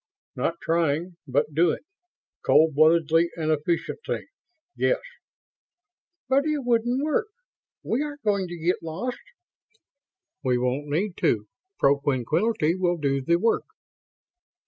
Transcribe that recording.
"Not trying, but doing. Cold bloodedly and efficiently. Yes." "But it wouldn't work! We aren't going to get lost!" "We won't need to. Propinquity will do the work."